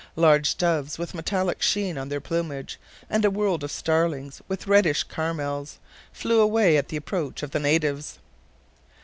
Large doves with metallic sheen on their plumage, and a world of starlings with reddish carmeles, flew away at the approach of the natives.